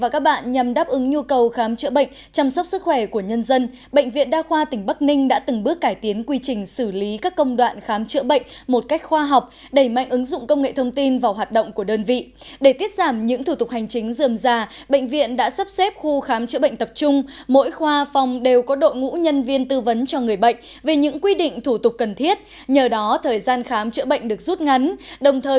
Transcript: cảm ơn các bạn đã theo dõi